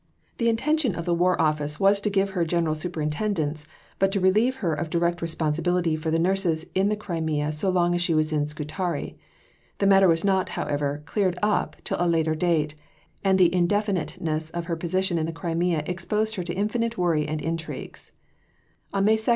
The intention of the War Office was to give her general superintendence, but to relieve her of direct responsibility for the nurses in the Crimea so long as she was at Scutari. The matter was not, however, cleared up till a later date, and the indefiniteness of her position in the Crimea exposed her to infinite worry and intrigues. See below, p.